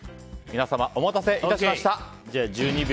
皆様、お待たせいたしました。